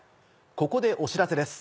ここでお知らせです。